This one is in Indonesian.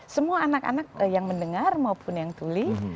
semua anak anak yang mendengar maupun yang tuli